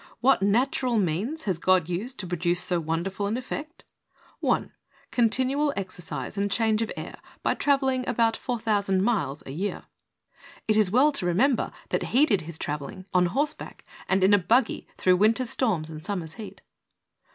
What nat ural means has God used to produce so wonderful an effect? "i. Continual exercise and change of air by traveling about 4,000 miles a year." (It is well to remember that he did his traveling 70 THE soul winner's SECRET. on horseback and in a buggy through Win ter's storms and Summer's heat.)